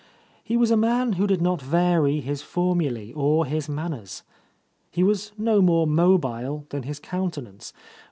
He was a man who did not vary his formulae or his manners. He was no more mobile than his countenance.